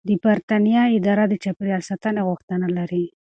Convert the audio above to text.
د بریتانیا اداره د چاپیریال ساتنې غوښتنه لري.